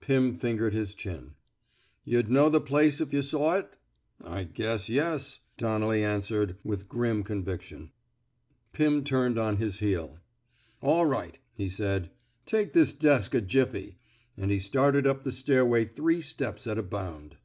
Pim fingered his chin. Yuh'd know the place if yuh saw iti "I guess yes," Donnelly answered, with grim conviction. 68 ON CIRCUMSTANTIAL EVIDENCE Pirn turned on his heel. All right,'* he said, take this desk a jiffy; '' and he started up the stairway three steps at a bound.